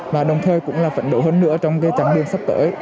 và đồng thời cũng là phần đấu hơn nữa trong trang đường sắp tới